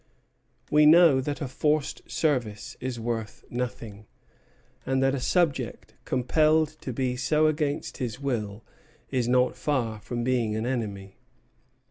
We know that a forced service is worth nothing, and that a subject compelled to be so against his will is not far from being an enemy.